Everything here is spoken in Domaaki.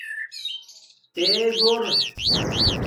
تے گھرو